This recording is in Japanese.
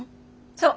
そう。